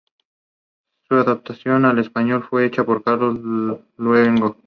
Daphne Kensington, una ambiciosa bailarina neoyorquina con un pasado privilegiado.